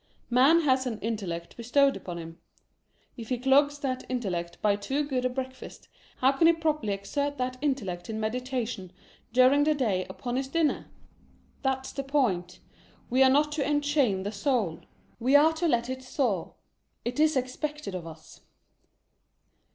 Man has an intellect bestowed upon him. If he clogs that intellect by too good a breakfast, how can he properly exert that intellect in meditation, during the day, upon his din ner? That's the point. We are not to enchain the soul. We are to let it soar. It is expected of us.